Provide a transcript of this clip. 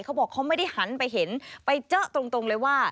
เขาบอกเขาไม่ได้หันไปเห็นไปเจอตรงเลยว่า